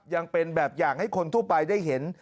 ยังเป็นแบบอย่างให้คนทั่วไปได้เห็น